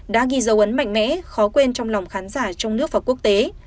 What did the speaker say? đã ghi dấu ấn mạnh mẽ khó quên trong lòng khán giả trong nước và quốc tế